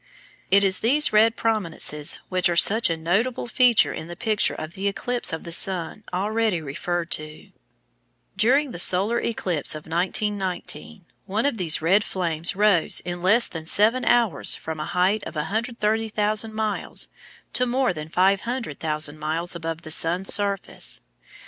It is these red "prominences" which are such a notable feature in the picture of the eclipse of the sun already referred to. During the solar eclipse of 1919 one of these red flames rose in less than seven hours from a height of 130,000 miles to more than 500,000 miles above the sun's surface.